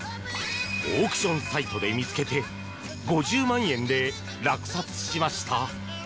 オークションサイトで見つけて５０万円で落札しました。